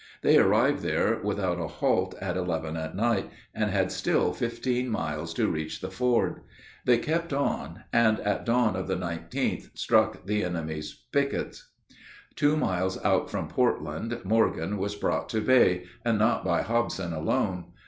They arrived there without a halt at eleven at night, and had still fifteen miles to reach the ford. They kept on, and at dawn of the 19th struck the enemy's pickets. Two miles out from Portland, Morgan was brought to bay and not by Hobson alone.